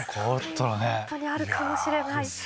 本当にあるかもしれない。